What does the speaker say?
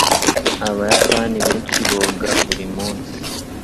Abayapani benshi boga buri munsi.